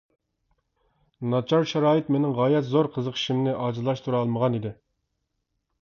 ناچار شارائىت مېنىڭ غايەت زور قىزىقىشلىرىمنى ئاجىزلاشتۇرالمىغان ئىدى.